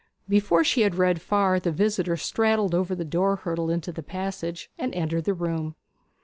Before she had read far the visitor straddled over the door hurdle into the passage and entered the room.